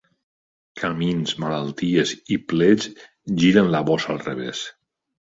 Camins, malalties i plets giren la bossa al revés.